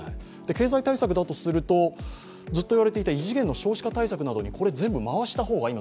経済対策だとすると、ずっと言われていた異次元の少子化対策に全部回した方がいい。